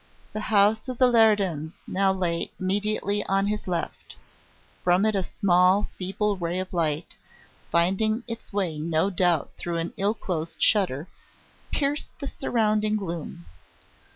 The house of the Leridans now lay immediately on his left; from it a small, feeble ray of light, finding its way no doubt through an ill closed shutter, pierced the surrounding gloom.